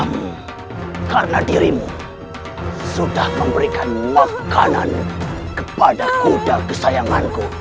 karena dirimu sudah memberikan makanan kepada kuda kesayanganku